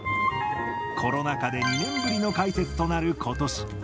コロナ禍で２年ぶりの開設となることし。